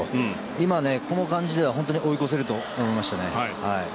今、この感じでは本当に追い越せると思いました。